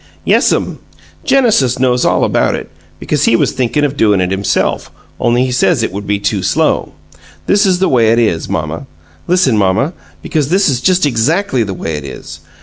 "Yes'm. Genesis knows all about it, because he was thinkin' of doin' it himself, only he says it would be too slow. This is the way it is, mamma. Listen, mamma, because this is just exackly the way it is.